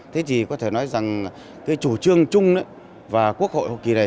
thế thì có thể nói rằng cái chủ trương chung và quốc hội hoa kỳ này